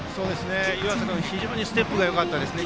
湯浅君、非常にステップがよかったですね。